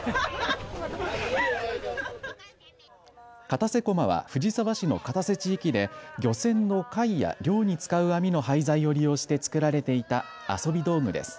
片瀬こまは藤沢市の片瀬地域で漁船のかいや漁に使う網の廃材を利用して作られていた遊び道具です。